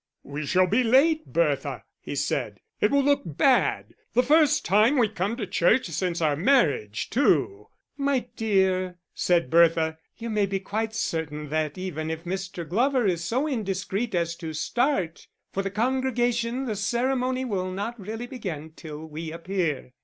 "We shall be late, Bertha," he said. "It will look so bad the first time we come to church since our marriage, too." "My dear," said Bertha, "you may be quite certain that even if Mr. Glover is so indiscreet as to start, for the congregation the ceremony will not really begin till we appear."